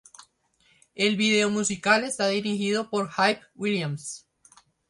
El vídeo musical está dirigido por Hype Williams.